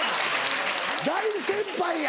大先輩や！